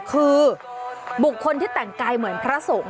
คือบุคคลที่แต่งกายเหมือนพระสงฆ์